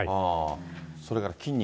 それから筋肉。